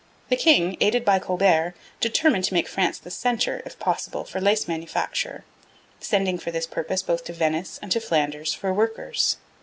The king, aided by Colbert, determined to make France the centre, if possible, for lace manufacture, sending for this purpose both to Venice and to Flanders for workers.